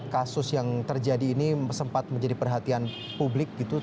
kasus yang terjadi ini sempat menjadi perhatian publik gitu